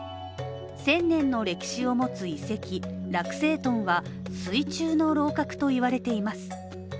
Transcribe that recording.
１０００年の歴史を持つ遺跡、落星トンは水中の楼閣といわれています。